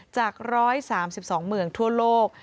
จาก๑๓๒เมืองทั่วโลก